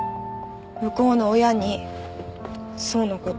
向こうの親に想のこと。